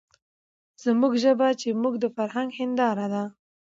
زموږ ژبه چې زموږ د فرهنګ هېنداره ده،